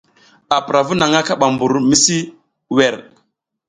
A pura vu naƞʼna kaɓa mɓur misi wer.